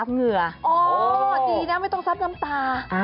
เหงื่อดีนะไม่ต้องซับน้ำตา